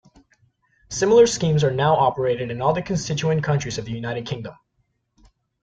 Similar schemes are now operated in all the constituent countries of the United Kingdom.